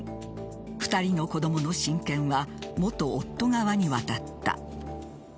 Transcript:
２人の子供の親権は元夫側に渡った。